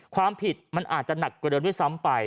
ความผิดอาจจะหนักเกินไปซ้ำไป